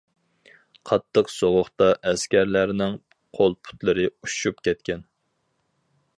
قاتتىق سوغۇقتا ئەسكەرلەرنىڭ قول-پۇتلىرى ئۈششۈپ كەتكەن.